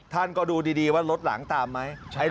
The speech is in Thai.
ท่านก็ดูดีว่ารถหลังตามไหม